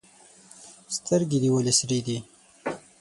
سترګي دي ولي سرې دي؟